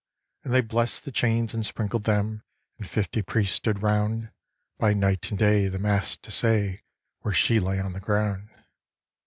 And they blest the chains and sprinkled them, And fifty Priests stood round, By night and day the mass to say Where she lay on the ground.